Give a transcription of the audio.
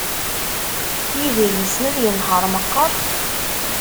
Yidir yessen ad yenheṛ meqqar?